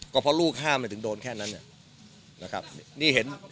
ก็เพราะลูกห้ามไปถึงโดนแค่นั้นนะครับนี่เห็น